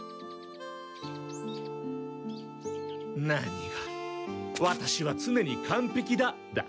何が「ワタシは常に完ぺきだ」だ。